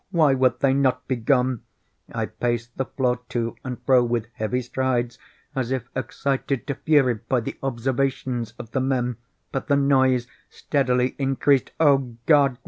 Why would they not be gone? I paced the floor to and fro with heavy strides, as if excited to fury by the observations of the men—but the noise steadily increased. Oh God!